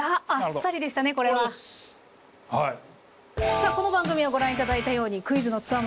さあこの番組はご覧いただいたようにクイズの強者